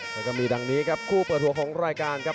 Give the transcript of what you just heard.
แล้วก็มีดังนี้ครับคู่เปิดหัวของรายการครับ